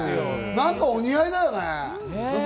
なんかお似合いだよね。